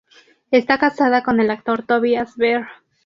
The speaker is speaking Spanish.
Está casada con el actor Tobias Beer.